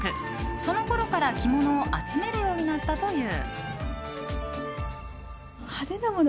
そのころから着物を集めるようになったという。